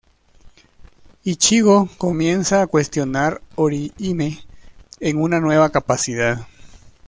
Ichigo comienza a cuestionar Orihime en su nueva capacidad.